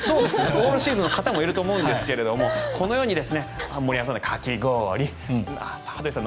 オールシーズンの方もいると思うんですがこのように森山さん、かき氷羽鳥さん